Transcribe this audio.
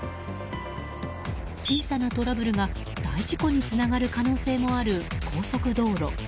小さなトラブルが大事故につながる可能性もある高速道路。